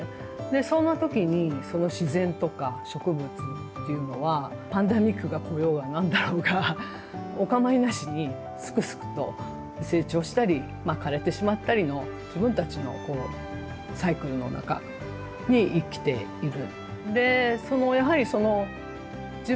そんな時に自然とか植物というのはパンデミックが来ようが何だろうがお構いなしにすくすくと成長したり枯れてしまったりの自分たちのサイクルの中に生きている。